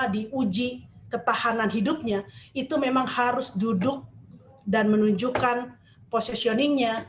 di uji ketahanan hidupnya itu memang harus duduk dan menunjukkan posisioningnya